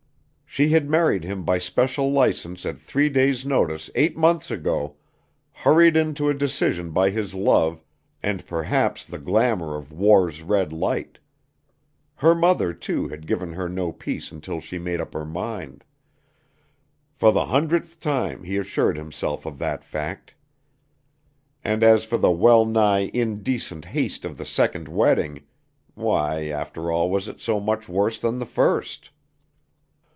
She had married him by special license at three days' notice eight months ago, hurried into a decision by his love, and perhaps the glamour of war's red light. Her mother, too, had given her no peace until she made up her mind. For the hundredth time he assured himself of that fact. And as for the well nigh indecent haste of the second wedding; why, after all, was it so much worse than the first?